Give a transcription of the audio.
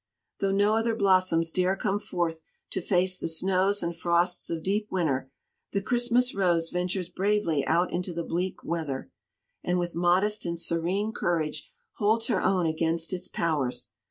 Though no other blossoms dare come forth to face the snows and frosts of deep winter, the Christmas Rose ventures bravely out into the bleak weather, and with modest and serene courage holds her own against its powers.